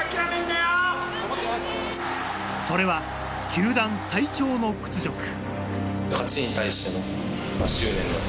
それは球団最長の屈辱。